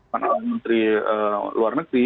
menteri luar negeri